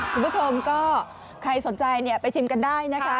คุณผู้ชมก็ใครสนใจไปชิมกันได้นะคะ